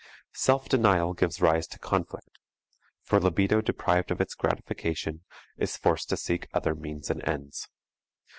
Self denial gives rise to conflict, for libido deprived of its gratification is forced to seek other means and ends.